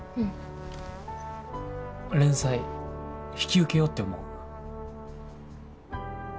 連載引き受けようって思う。